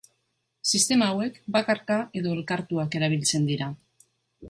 Sistema hauek bakarka edo elkartuak erabiltzen dira.